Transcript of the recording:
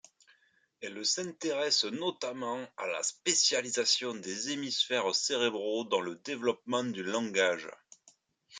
Elle s'intéresse notamment à la spécialisation des hémisphères cérébraux dans le développement du langage.